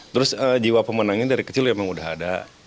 terus jiwa pemenangnya dari kecil ya memang udah ada